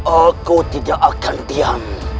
aku tidak akan diam